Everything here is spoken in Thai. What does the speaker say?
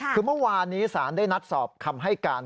คือเมื่อวานนี้ศาลได้นัดสอบคำให้การ